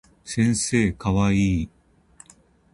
先生かわいい